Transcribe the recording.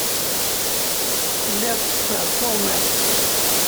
Lliɣ ttekkseɣ-d tuɣmas.